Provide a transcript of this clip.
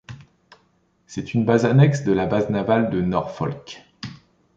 C’est une base annexe de la Base navale de Norfolk.